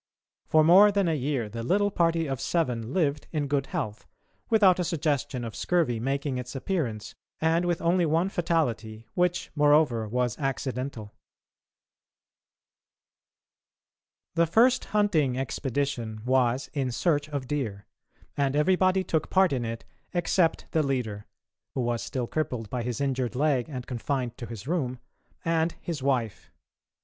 For more than a year the little party of seven lived in good health, without a suggestion of scurvy making its appearance and with only one fatality, which, moreover, was accidental. The first hunting expedition was in search of deer, and everybody took part in it except the leader, who was still crippled by his injured leg and confined to his room, and his wife.